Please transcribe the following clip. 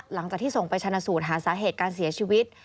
หลังจากที่ส่งไปชนะสูตรหาสาเหตุการเสียชีวิต